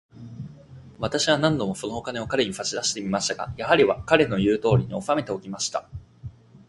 私は何度も、そのお金を彼に差し出してみましたが、やはり、彼の言うとおりに、おさめておきました。